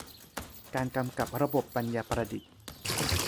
การกำกับระบบปัญญาประดิษฐ์